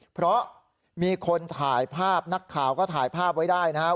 เพราะมีคนถ่ายภาพนักข่าวก็ถ่ายภาพไว้ได้นะครับ